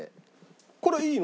これいいの？